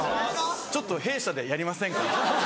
・ちょっと弊社でやりませんか？